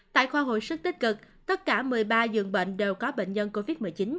tại khoa hồi sức tích cực tất cả một mươi ba dường bệnh đều có bệnh nhân covid một mươi chín